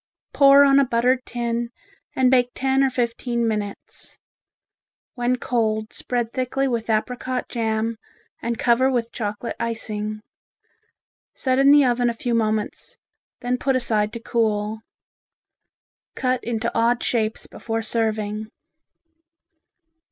Pour on a buttered tin and bake ten or fifteen minutes. When cold spread thickly with apricot jam and cover with chocolate icing. Set in the oven a few moments, then put aside to cool. Cut into odd shapes before serving.